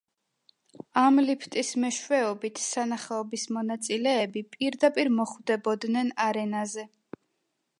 ამ ლიფტის მეშვეობით სანახაობის მონაწილეები პირდაპირ მოხვდებოდნენ არენაზე.